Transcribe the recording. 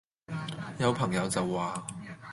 有朋友就話